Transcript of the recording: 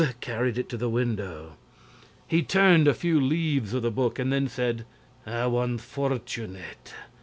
carried it to the window. He turned a few leaves of the book and then said: "How unfortunate!